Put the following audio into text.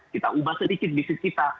kita ubah sedikit bisnis kita